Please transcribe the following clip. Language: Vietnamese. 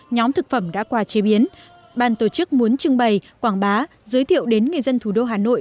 nhóm thực phẩm đã qua chế biến bàn tổ chức muốn trưng bày quảng bá giới thiệu đến người dân thủ đô hà nội